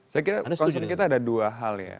saya kira concern kita ada dua hal ya